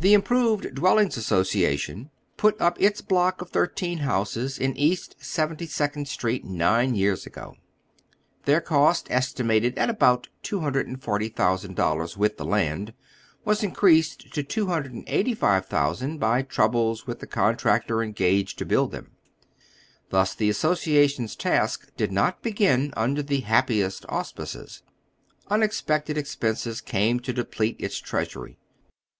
The Improved Dwellings Association put up its block of thirteen houses in East Seventy^econd Street nine years ago. Their cost, estimated at about $240,000 with the land, was increased to $285,000 by troubles with the con tractor engaged to build them. Thus the Association's task did not begin under the happiest auspices. Unex pected expenses came to deplete its treasury.